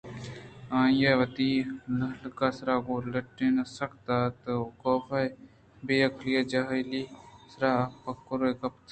آئیءَ وتی للک ءِ سر گوں لنٹاں سک دات ءُکاف ءِ بے عقلیءُ جاہلی ءِ سراپگرے ءَ کپت